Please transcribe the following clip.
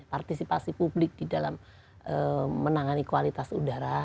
partisipasi publik di dalam menangani kualitas udara